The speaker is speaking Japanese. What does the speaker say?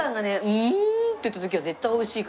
「うーん！」って言った時は絶対美味しいから。